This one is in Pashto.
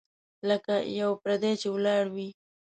لکه یو پردی چي ولاړ وي .